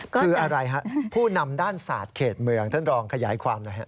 คืออะไรฮะผู้นำด้านศาสตร์เขตเมืองท่านรองขยายความหน่อยฮะ